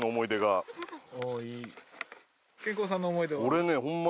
俺ねホンマ